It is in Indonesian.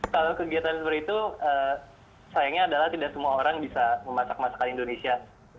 kalau kegiatan seperti itu sayangnya adalah tidak semua orang bisa memasak masakan indonesia